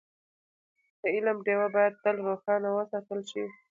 د علم ډېوه باید تل روښانه وساتل شي.